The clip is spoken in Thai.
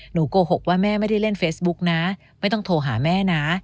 โกหกว่าแม่ไม่ได้เล่นเฟซบุ๊กนะไม่ต้องโทรหาแม่นะ